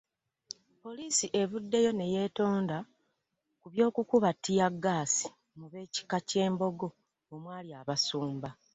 Poliisi evuddeyo ne yeetonda ku by'okukuba ttiiyaggaasi mu b'ekika ky'e Mbogo omwali abasumba